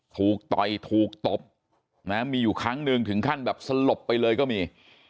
ต่อยถูกตบนะมีอยู่ครั้งหนึ่งถึงขั้นแบบสลบไปเลยก็มี